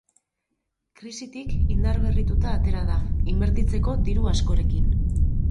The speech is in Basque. Krisitik indarberrituta atera da, inbertitzeko diru askorekin.